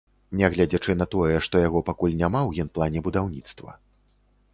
Нягледзячы на тое, што яго пакуль няма ў генплане будаўніцтва.